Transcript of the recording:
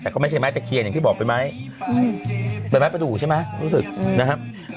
แต่ก็ไม่ใช่ไม้ตะเคียนอย่างที่บอกเป็นไม้เป็นไม้ประดูกใช่ไหมรู้สึกนะครับ